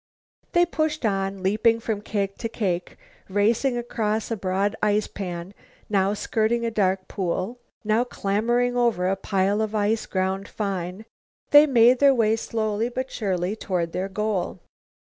They pushed on, leaping from cake to cake. Racing across a broad ice pan, now skirting a dark pool, now clambering over a pile of ice ground fine, they made their way slowly but surely toward their goal.